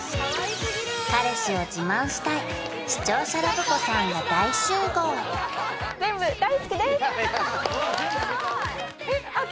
彼氏を自慢したい視聴者ラブ子さんが大集合全部大好きです！